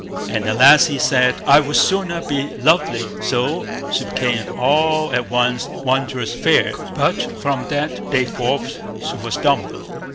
And the lassie said, "I would sooner be lovely." So she became all at once wondrous fair; but from that day forth she was dumb.